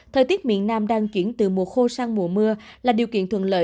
thời tiết miền nam đang chuyển từ mùa khô sang mùa mưa là điều kiện thuận lợi